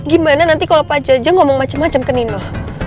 gimana nanti kalau pak jajang ngomong macam macam ke nino